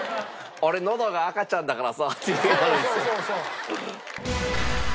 俺のどが赤ちゃんだからさって言いはるんですよ。